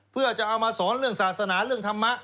เพื่อจะเอามาสอนเรื่องศาสนาเรื่องธรรมะ